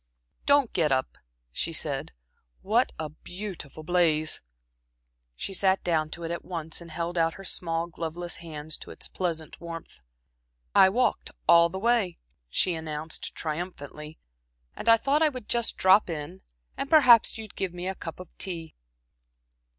"Don't get up," she said. "What a beautiful blaze!" She sat down to it at once and held out her small, gloveless hands to its pleasant warmth. "I walked all the way," she announced, triumphantly, "and I thought I would just drop in, and perhaps you'd give me a cup of tea."